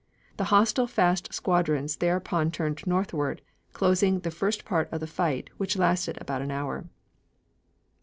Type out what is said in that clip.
The hostile fast squadrons thereupon turned northward, closing the first part of the fight, which lasted about an hour.